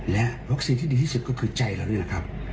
และวัคซีนที่ดีที่สุดก็คือใจเรานี่แหละครับ